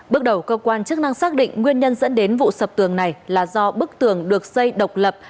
bước đầu cơ quan chức năng xác định nguyên nhân dẫn đến vụ sập tường này là do bức tường được xây độc lập